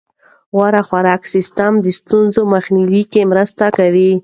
غوره خوراکي سیستم د ستونزو مخنیوي کې مرسته کوي.